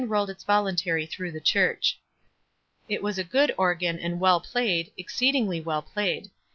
rolled its voluntary through the church. It was a good organ, and well played, exceedingly well played.